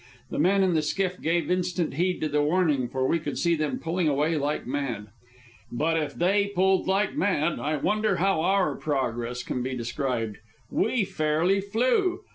The men in the skiff gave instant heed to the warning, for we could see them pulling away like mad. But if they pulled like mad, I wonder how our progress can be described? We fairly flew.